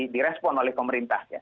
direspon oleh pemerintah